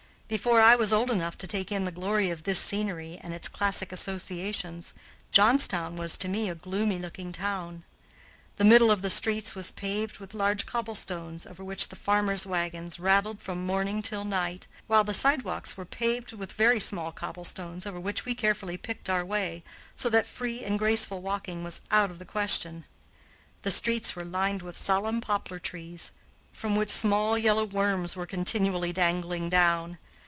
Before I was old enough to take in the glory of this scenery and its classic associations, Johnstown was to me a gloomy looking town. The middle of the streets was paved with large cobblestones, over which the farmer's wagons rattled from morning till night, while the sidewalks were paved with very small cobblestones, over which we carefully picked our way, so that free and graceful walking was out of the question. The streets were lined with solemn poplar trees, from which small yellow worms were continually dangling down.